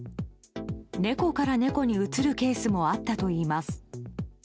猫から猫にうつるケースもあったといいます。